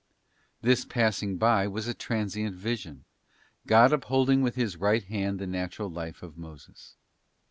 f This passing by was a transient vision, God upholding with His right hand the natural life of Moses.